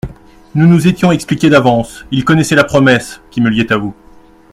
Nous nous étions expliqués d'avance, il connaissait la promesse, qui me liait à vous.